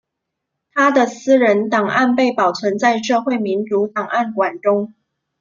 他的私人档案被保存在社会民主档案馆中。